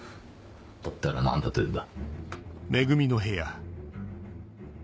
だったら何だというんだ？